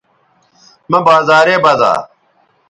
مہ بازارے بزا